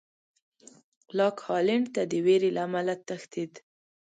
لاک هالېنډ ته د وېرې له امله تښتېد.